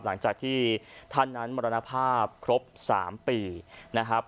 หลังจากที่ท่านนั้นมรณภาพครบ๓ปีนะครับ